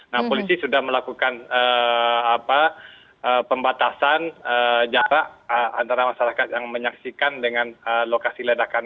nah polisi sudah melakukan pembatasan jarak antara masyarakat yang menyaksikan dengan lokasi ledakan